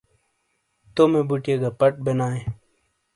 تومے بُٹئیے گہ پَٹ بینائیے۔